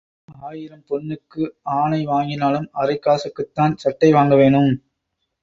ஆயிரம் பொன்னுக்கு ஆனை வாங்கினாலும் அரைக் காசுக்குத் தான் சாட்டை வாங்க வேணும்.